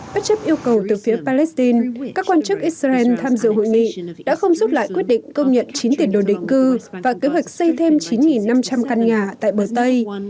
bất chấp yêu cầu từ phía palestine các quan chức israel tham dự hội nghị đã không rút lại quyết định công nhận chín tiền đồn địch cư và kế hoạch xây thêm chín năm trăm linh căn nhà tại bờ tây